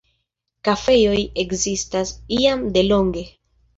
Kafejoj ekzistas jam delonge.